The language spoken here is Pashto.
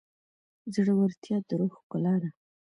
زړورتیا د روح ښکلا ده.